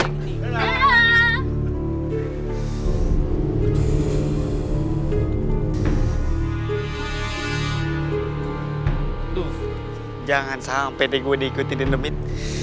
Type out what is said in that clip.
aduh jangan sampe deh gue diikuti di nemen